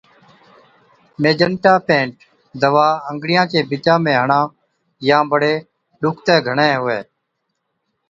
ميجنٽا پينٽ Magenta Paint دَوا انگڙِيان چي بِچا ۾ هڻا يان بڙي ڏُکتَي گھڻَي هُوَي